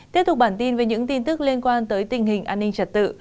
tiếp tục bản tin về những tin tức liên quan tới tình hình an ninh chặt tự